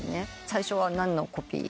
最初は何のコピー？